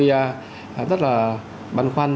rất là băn khoăn